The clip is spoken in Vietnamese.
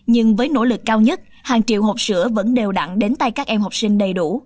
nhưng với nỗ lực cao nhất hàng triệu hộp sữa vẫn đều đặn đến tay các em học sinh đầy đủ